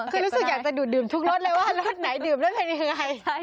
คือรู้สึกอยากจะดูดดื่มทุกรสเลยว่ารสไหนดื่มแล้วเป็นยังไง